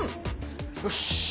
よし！